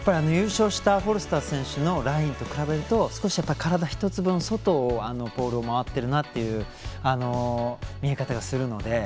優勝したフォルスター選手のラインと比べると少し体１つ分外をポールを回ってるなという見え方がしたので。